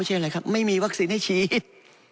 เช่นอะไรครับไม่มีวัคซีนให้ฉีด